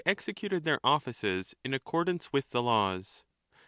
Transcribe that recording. executed their offices in accordance with the laws.